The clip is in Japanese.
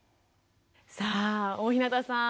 さあ大日向さん